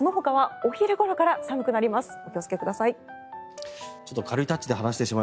お気をつけください。